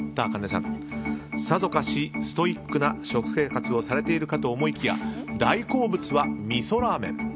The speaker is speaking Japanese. さぞかしストイックな食生活をされているかと思いきや大好物は、みそラーメン。